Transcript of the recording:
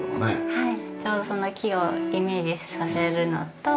はい。